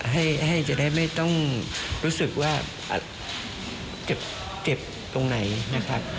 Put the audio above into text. ให้จะได้ไม่ต้องรู้สึกว่าเก็บตรงไหนนะครับ